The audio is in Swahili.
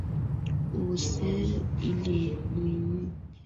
Ni serikali iliyo chini ya Raisi Dokta Hussein Ali Mwinyi